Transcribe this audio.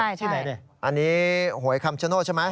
ใช่อันนี้หวยคำชโนธใช่ไหม